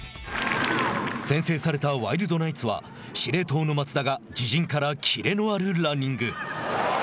先制されたワイルドナイツは司令塔の松田が自陣からキレのあるランニング。